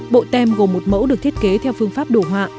bộ tem gồm một mẫu được thiết kế theo phương pháp đổ họa